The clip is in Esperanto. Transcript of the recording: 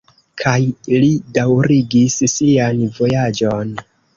Kaj li daŭrigis sian vojaĝon.